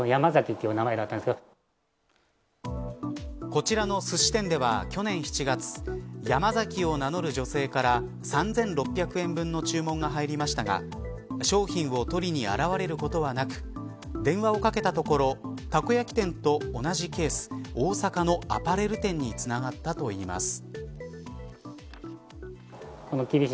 こちらのすし店では去年７月ヤマザキを名乗る女性から３６００円分の注文が入りましたが商品を取りに現れることはなく電話をかけたところたこ焼き店と同じケース大阪のアパレル店につながったといいます。